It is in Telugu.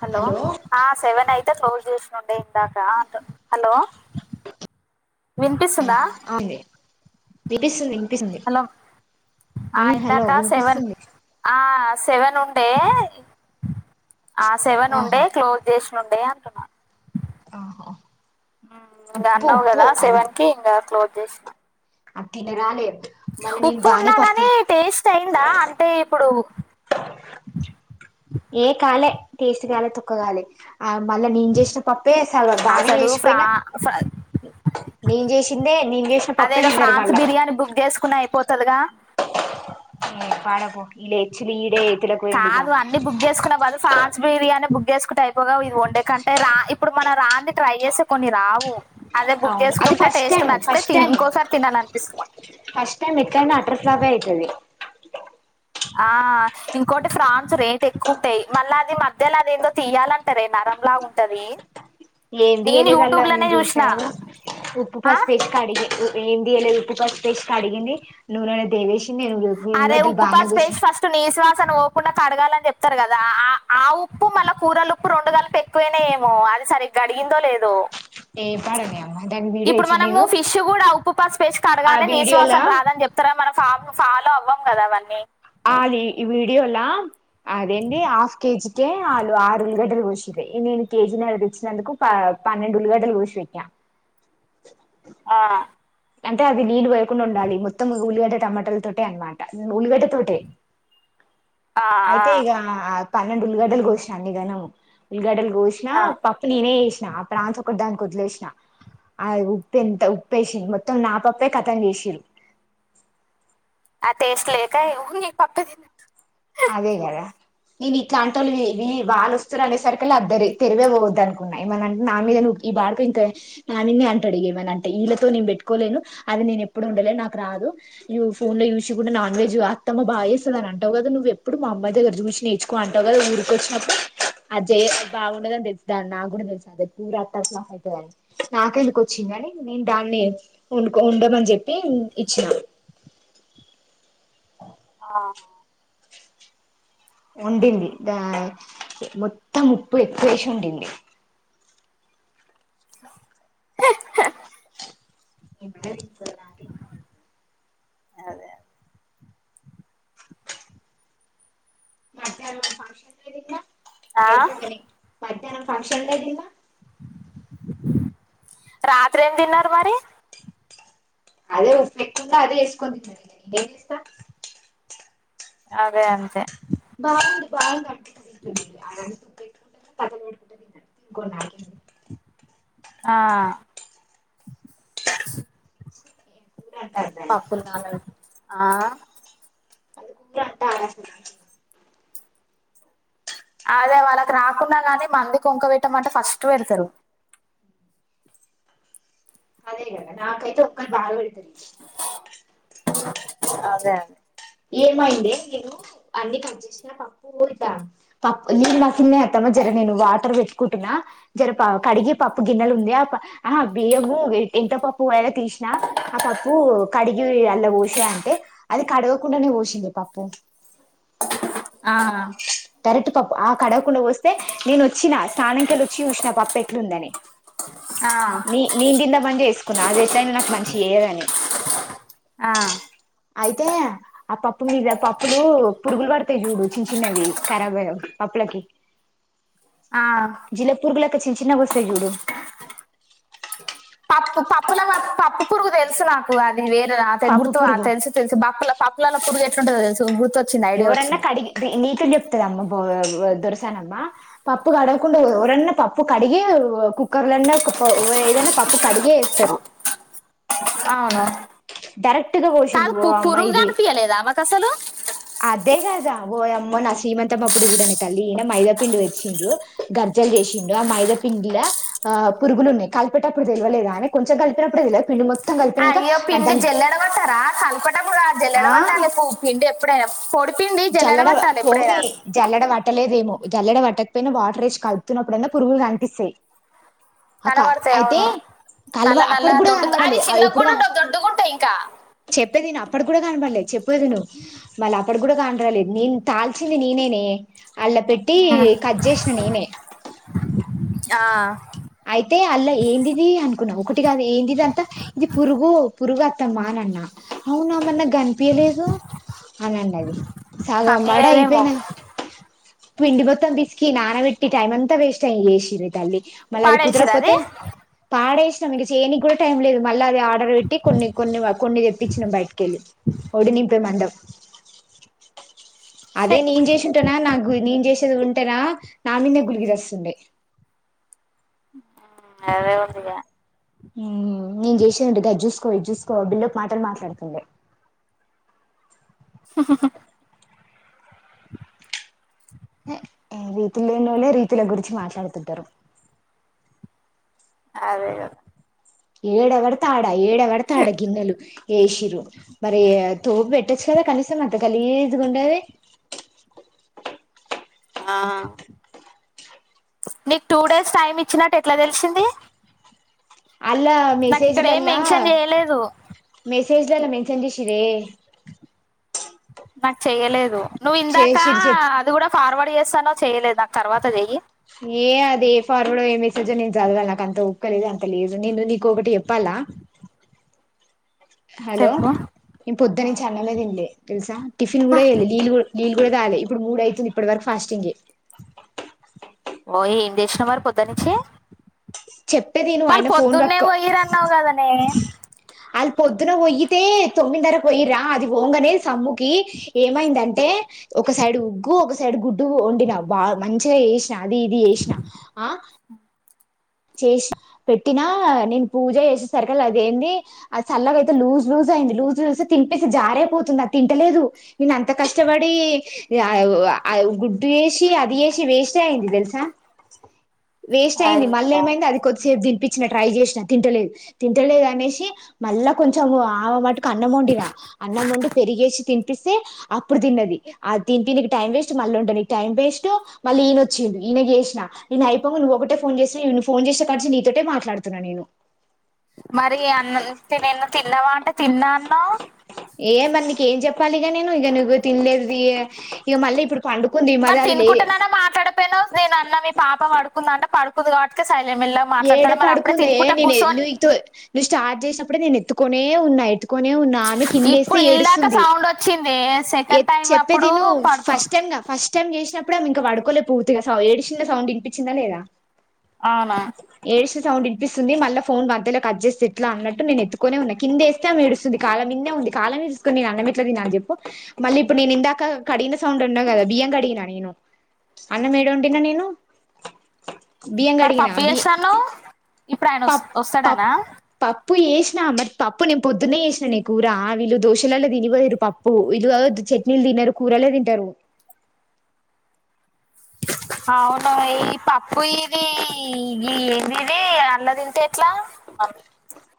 హలో ఆ సెవెన్ అయితే క్లోజ్ చేస్ ఉండే దాకా అంతా హలో వినిపిస్తుందా అవుంది వినిపిస్తుంది వినిపిస్తుంది హలో ఆ హలో ఇందాక సెవన్ వినిపిస్తుంది ఆ సెవెన్ ఉండే ఆ సెవెన్ ఆహా ఉండే క్లోజ్ చేసి ఉండే అంటున్న ఆహా హమ్ ఇంగా ఉప్పు అన్నావు ఉప్పు కదా సెవెన్ కి ఇంగా క్లోజ్ చేసినా ఆది తినరాలే మళ్ళీ నేను ఉప్పు బానే ఉన్నా పప్పు కాని టేస్ట్ అయిందా అంటే ఇప్పుడు ఏకా కాలే టెస్ట్ కాలే తొక్కగాలే ఆ మళ్ళా నేను చేసిన పప్పే సార్ బాగా అసలు ఫ్రా చేసిపోయినా నేను చేసిందే నేను చేసిన పప్పే అదేదో తిన్నారు ఫ్రాన్స్ మళ్ళా బిర్యానీ బుక్ చేసుకున్నా అయిపోతదిగా [unintelligible] కాదు అన్నీ బుక్ చేసుకున్నా బదులు ప్రాన్స్ బిర్యానీ బుక్ బుక్ చేసుకుంటే అయిపో గా ఇది వన్డే కంటే రా ఇప్పుడు మన రాంది ట్రై చేసి కొన్ని రావు అదే బుక్ అవును అది చేసుకుంటే ఫస్ట్ టేస్ట్ టైం నచ్చితే ఫస్ట్ తిని టైం ఇంకోసారి తినాలనిపిస్తుంది ఫస్ట్ టైం ఎట్లయినా అటర్ ఫ్లాపే అయితది ఆ ఇంకోటి ఫ్రాన్స్ రేట్ ఎక్కువ ఉంటాయి మళ్ళా అది మధ్యలో అదేందో తీయాలంటారే నరంలా ఉంటది ఏంది నేను ఎయ్యలేదన్న యూట్యూబ్ లోనే నేను చూసిన చూసినా కదూ ఉప్పు ఆ పసుపు వేసి కడిగి ఏంది ఎయ్యలేదు ఉప్పు పసుపు వేసి కడిగింది నూనెలో దేవేసి అరే ఉప్పు పసుపేసి ఫస్ట్ నీసు వాసన పో కుండా కడగాలని చెప్తారు కదా ఆ ఆ ఉప్పు మళ్ళా కూరల ఉప్పు రెండు గలిపి ఎక్కువ అయినాయో ఏమో అది సరిగ్గ కడిగిందో లేదు ఏం పాడనే అమ్మ దాని వీడియో ఇప్పుడు ఇచ్చిన మనము నేను ఫిష్ కూడా ఉప్పు పసుపు వేసి క ఆ కడగాలె నిశు వీడియోలా వాసన రాదని చెప్తారా మన ఫామ్ స అవ్వం కదా అవన్నీ ఆ ఈ వీడియోలా అదేండి హాఫ్ కేజీ కే ఆలు ఆరు ఉల్లిగడ్డలు కోసిండ్రు నేను కేజీ నర్రా తెచ్చినందుకు ప పన్నెండు ఉల్లిగడ్డలు కోసిపెట్టిన ఆ అంటే అది నీళ్లు పొయ్యకుండ ఉండాలి మొత్తం ఉల్లిగడ్డ టమోటాల తోటే అన్నమాట ఉల్లిగడ్డ తోటే ఆ ఆ, అయితే ఈగా పన్నెండు ఉల్లిగడ్డలు కోసిన అన్నిగనము ఉల్లిగడ్డలు బోసిన ఆ. పప్పు నేనే చేసి ఆ ప్రాంతం ఒకటి దానికి వదిలేసిన ఆ ఉప్ప ఎంత ఉప్పేసిన మ మొత్తం నా పప్పే కథం చేసిడ్లు ఆ టెస్ట్ లెక హు హి హి పాపే అదే గద ఇది తంటలు ఇవి వాళ్లు స్ స ర అండేసరికిళ్ అద్దరి తెరివే పోవద్దు అనుకున్నా ఏమ అంటే నా మీదవ ఈ బాడకి ఇంకా నానిని అంట అడిగ ఏమ అంటే వీళ్తోేను పెట్టుకోలేను అది నేను ఎప్పుడు ఉండలే నాకు రాదు ఫోన్ లో చూసుకుంటా నాన్ వెజ్ అత్తమ్మ బాగాచేస్తుంది అని అంటావు కదా నువ్వు ఇప్పుడు మా అమ్మాయి దగ్గర చూసిి నేర్చుకోని అంటావు కదా ఊరిక వచ్చినప్పుడు అ జయ బాగుండదుని తెలుసు దాన్ని నాకు కూడా తెలుస అదే ఊర అట్టార్ ప్లాప్ అవుతుందిని నాకెందుకు వచ్చిందిని నేను దాన్ని ఉం ఉండమని చెప్పి ఇచ్చినాను ఆ ఉండింది ద మొత్తం ఉప్పు ఎక్కువ వేసి ఉండింది హే హా ఎంట తీస్కో రా అని అదే అ మధ్యానం ఫంక్షన్ ఉన్న దేట్ల ఆ? అయితే గానీ మధ్యాహ్నం ఫంక్షన్ల తిన్నా [inaudible] రాత్రి ఏం తిన్నారు మరి అదే ఉప్పేకున్నా అదే వేసుకొని తిన్నా అది అంతే బాగుంది బాగున్నా [inaudible] [inaudible] [unintelligible] ఆ కూర అంటారు దాన్ని పాప్పున్నాాల ఆ అన్ని అంత అదే వాళ్ళకి రాకుండా కానీ మంది కొంక పెట్టమంటే ఫస్ట్ పెడతారు అదే కదా నాకైతే ఒక్కలు బాగా పెడుతరు ఆధా ఏమైంది నేను అన్ని కట్ చేసిన పప్పు ఇద్ద పప్పు నిరు మాకిన్న అత్తామా జర నేను వాటర్ పెట్టుకుంటున్నా జర కడిగ పప్పు గిన్నెలు ఉంది ఆ ఆ బియ్యము వె ఎంత ప [inaudible] పోయె తీసిన ఆ పప్పు కడిగి అల్ల పోసా అంటే అది కడు కుండానే పోసింది పప్పు ఆహా కరెక్ట్ పప్పు ఆ కడగకుండా పోస్తే నేను వచ్చినా స్నానంకెళ్ళ వచ్చి చూసిన పప్పు ఎట్ల ఉందని ఆ నె నేను తిందమని చేసుకున్న నాది ఎట్లయినా నాకు మంచి చేయదని అ అయితే ఆ పప్పు మీద పప్పులు పురుగులు పడతాయి చూడు చిన్న చిన్నవి ఖరాబ్ పప్పులకి ఆ జిల పురుగు లెక్క చిన్న చిన్న గా వస్తాయి చూడు పప్పు పప్పుల పప్పు పురుగు తెలుసు నాకు అ ది వేరు అ తె పప్పు గుర్తు ప పురుగు తెలుసు తెలుసు పప్పుల పప్పు ప్పు లల్లో పురుగు ఎట్లుంటదో తెలుసు. గుర్ ఏవరన్నా కడిగి ని నీ చెప్తదమ్మ బొ బొ దొరసానమ్మ పప్పు కడగకుండా ఎవరన్నా పప్పు కడిగి కుక్కర్ లన్న ఏదైన పప్పు కడిగె వేస్తరు అవును డైరెక్ట్ గా పోసిం పు పురుగు కనిపియలేదా ఆమెకు అసలు అదే కదా ఓయమ్మో నా శ్రీమంతమ్మప్పుడు కూడా నే తల్లి ఈన మైదాపిండి తెచ్చిండు గర్జలు చేసిండు ఆ మైదాపిండిల ఆ పురుగులు ఉన్నాయి. కలిపేటప్పుడు తెలువలేదా నే కొంచెం కలిపినప్పుడు తెలువుదా పిండి మొత్తం కలిపినాక అయ్యో పిండి దాని జల్లెడ వట్టారా కలిపే టప్పుడు కాదు జల్లెడ ఆ వట్టాలి పు పిండి ఎప్పుడు పొడి పిండి జల్లడ వ జల్లెడబట్టాలి పోనీ ఎప్పుడైనా జల్లడ వట్ ఆత్త లేదేమో జల్లెడ వట్టకపోయినా వాటర్ ఏసి కలుపుతున్నప్పుడన్న పురుగులు కనిపిస్తాయి. అక కనబడతాయి. అయితే అవును కలవ నల్ల నల్ల అప్పటికి కూడా దొడ్డు కనబడాలి అవి చిన్న ఎప్పుడు గుడా ఉంటవ్ దొడ్డగ ఉంటాయి. ఇంకా అప్పుడి గుడా కనపడలే. చెప్పలే విను మళ్ళ అప్పుడి గుడా లే నీన్ తాల్చింది నేనే నే అల పెట్టి కట్ చేసిన నేనే ఆ టిది ఏంటీ ది అంతా ఇది పురుగు పురుగు అత్తమ్మా ఆన్న అవున మరీ నాకు కనిపీయలేదు. అవును అండి అది సాగం కన్ను బాడ లేవేమో అయిపోయినా పిండి బొత్తం బిస్కి నానబట్టి టైమ్ అంతా వేస్ట్ ఆయి చేసిరే తల్లీ మళ్ళ అది పాడేసిరు అది కుదురకపోతే పాడే సిర్ మీ చేయనికి కూడా టైం లేదు. మళ్ళ అది ఆర్డర్ పెట్టి కొన్ని కొన్ని కొన్ని తెప్పించినం బయటికెళ్ళి ఒడి నింపే మందం. ఛే, అదే నేను చేసి ఉంటానా నాకు నేను చేసేది ఉం టేనా నా మీదనేే గునీకి చస్తుండే. అదే ఉందిగా నేను చేసానుంటె గది చూసుకోవ ఇది చూసుకోవ బిల్డపు మాటలు మాట్లాడుతుండే స రీతీ లేనోల్లె రీతుల గురించి మాట్లాడు తుంటారు. అదే గాద ఏడ వడితే అడ్ ఏడ పడతె ఆడ గిన్నెలు ఏసిర్రు మరి తోమీ పెట్ ట్టచ్చు కదా కనీసం కొంచెం గలీజ్ గా ఉండాది. ఆ నీకు టూ డేస్ టైం ఇచ్చినట్టు ఎట్లా తెలిసింది. అల్ల నాకు ఇక్కడ ఏం మెసేజల్ల మెన్షన్ చేయలేదు మెస్ పేజీలాళ్ల మెన్షన్ చేసిర్రే నాకు చెయ్యలేదు నువ్వు ఇందాక చేసిరు చెప్ అది కూడా ఫార్వర్డ్ చేస్తాను చేయలేదు నాకు తర్వాత చెయ్ ఏ అదే ఫార్వర్డ్ ఏ మెసేజో నేను చదవాల నాకు అంత ఉక్కలేదు అంత లేదు నిన్నను నీకు ఒకటి చెప్పాలా హలో చెప్పు ఇ పొద్దునించి అన్నం తినలే తెలుసా టిఫిన్ కూడా చేయలేదు నీళ్ళు కూడా ఇంకా కాలే ఇప్పుడు మూడు అయితుంది ఇప్పటి వరకు ఫాస్టింగే ఓ ఏం చేసినా మరి పొద్దునించి చెప్పేది విను వాళ్ళ ఆయన ఫోన్ పొద్దున్నే పట్టుకో పోయిరన్నావు కదా నే ఆళ్ళు పొద్దున పోయ్యితే తొమ్మిది నరకు పోయిరా అది పోంగనేది సమ్ము ఏమైంది అంటే అంటే ఒక సైడ్ ఉగ్గు ఒక సైడ్ గుడ్డు వండిన బాగా మంచిగా అది ఇది ఏసిన ఆ చేసి పెట్టినా నేను పూజ చేసేసరి కల అదిేంది అది చల్లగా అయితే లూజ్ లూజ్ అయింది లూజ్ లూస్ తినిపేసి జారే పోతుంది అది తింటలేదు నేను అంత కష్టపడి గుడ్డు వేసి అది వేసి వేస్ట్ అయింది తెలుసా వేస్ట్ అయింది మళ్ళీ అయ్యా అది కొద్దిసేపు తినిపించిన ట్రై చేసిన తింటలేదు తింటలేదు అనేసి మళ్ళ కొంచెం ఆమె మటు అన్నమొండి నా అన్నమొండి పెరిగేసి తింట స్తే అప్పుడు తిన్నది ఆ తిని నీకు టైం వేస్ట్ మళ్ళీ ఉంటడు నీకు టైం వేస్ట్ మళ్ళీ ఈయన వచ్చిండు ఈయన చేేసిన నే అయిపోంగ నువ్ ఒకటే ఫోన్ చేిన నిఫ ఫోన్ చేస్తే కడిచ నీతోటే మాట్లాడుతున్నాను నేను మరి అన్నం తిన్నావా అంటే తిన్నా అన్నావ్ పలిగా నేను ఇక నువ్వు తినలేదు ఇక మళ్ళీ ఇప్పుడు పండుకుంది మది మరి అది లే తినుకుంటున్నానా మాట్లాడపోను నేను అన్న మీ పాప పడుకుందా అంట పడుకు కుగాట్ ఏడ పడుకుందే నేను కూర్చొని నువ్వు నువ్వు స్టార్ట్ చేసినప్పుడే నేను ఎత్తుకొనే ఉన్నాయిట్ ఎత్తుకోనే ఉన్నా ఆమె కిందేస్తే ఇప్పుడు ఇందాక ఏడుస్తుంది సౌండ్ వచ్చింది సెకండ్ టైం చెప్పేది అప్పుడు ను పడుకో ఫస్ట్ టైమ్ ఫస్ట్ టైమ్ చేసిన అప్పుడు ఇంకాపడుకోలే పూర్తిగా ఏడ్చిన సౌండ్ ఇనిపించిందా లేదా అవునా ఏసి సౌండ్ ఇనిపిస్తుంది మళ్ళీ ఫోన్ మధ్యల కట్ చేస్తే ఎట్లా అన్నట్టు నేను ఎత్తుకోనే ఉన్నా కిందేస్తే ఆమె ఏేడుస్తుంది కాలం మీదే ఉంది కాలం వేసుకుని నేను అన్నం ఎట్లా అని చెప్పు మళ్ళీ ఇప్పుడు నేను ఇందాక కడిగిన సౌండ్ ఉన్నా కదా బియ్యం కడిగిన నేను అన్నం ఏడ వండినా నేను బియ్యం మరి కడిగినా పప్పు బి చేస్తాను ఇప్పుడు ఆయన వ పప్ పప్ వస్తాడానా పప్పు చేేసినా మరి పప్పు నేను పొద్దున్న చేసినా నే కూర వీళ్ళు దోశలలో తినిపోయిరు పప్పు వీళ్ళు గద చట్నీలు తిినరు కూరలే తింటారు అవును ఈ పప్పు ఇది ఇ ఏంది ఇది అట్ల తింటే ఎట్లా